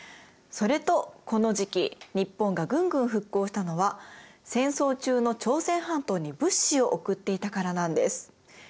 それとこの時期日本がぐんぐん復興したのは戦争中の朝鮮半島に物資を送っていたからなんです。